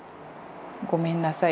ごめんなさい。